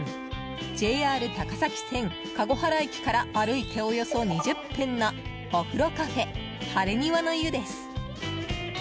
ＪＲ高崎線籠原駅から歩いて、およそ２０分のおふろｃａｆｅハレニワの湯です。